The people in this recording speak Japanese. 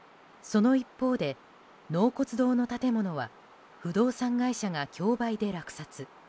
その一方で、納骨堂の建物は不動産会社が競売で落札。